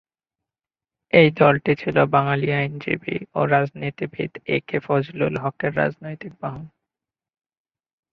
এই দলটি ছিল বাঙালি আইনজীবী ও রাজনীতিবিদ এ কে ফজলুল হকের রাজনৈতিক বাহন।